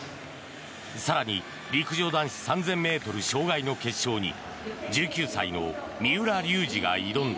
更に、陸上男子３０００ｍ障害の決勝に１９歳の三浦龍司が挑んだ。